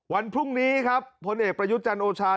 วันพรุ่งนี้ครับพลเอกประยุทธ์จันทร์โอชา